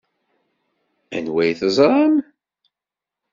Anwa i teẓṛam?